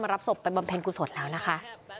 รับศพไปบำเพ็ญกุศลแล้วนะคะ